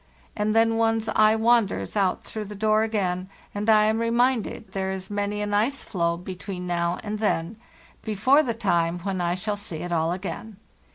And then one's eye wanders out through the door again, and I am reminded there is many an ice floe between now and then, before the time when I shall see it all again.